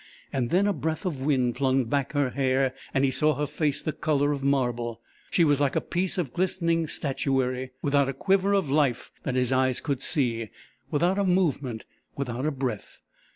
And then a breath of wind flung back her hair and he saw her face the colour of marble. She was like a piece of glistening statuary, without a quiver of life that his eyes could see, without a movement, without a breath.